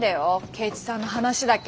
圭一さんの話だけ。